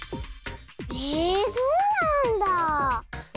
へえそうなんだあ。